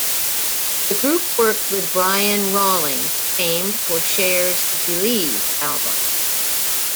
The group worked with Brian Rawlings, famed for Cher's "Believe" album.